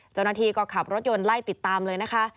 เจ้าหน้าที่ก็ขับรถยนต์ไล่ติดตามเลยนะคะ